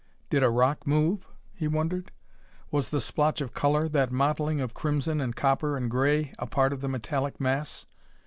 Did a rock move? he wondered. Was the splotch of color that mottling of crimson and copper and gray a part of the metallic mass?